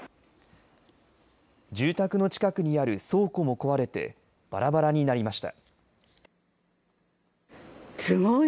住宅の近くにある倉庫も壊れてばらばらになりました。